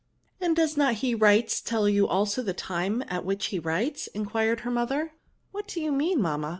^^ And doea not he writer tell you also the time at which he writes ?" enquired her mother. " What do you mean^ mamma?